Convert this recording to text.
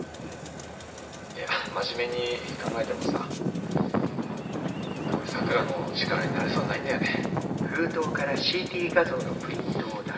いや真面目に考えてもさ俺咲良の力になれそうにないんだよね。